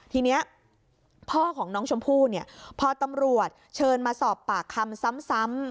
ทีนี้พ่อของน้องชมพู่เนี่ยพอตำรวจเชิญมาสอบปากคำซ้ำ